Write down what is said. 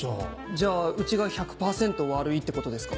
じゃあうちが１００％悪いってことですか？